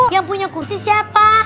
yang punya kursi siapa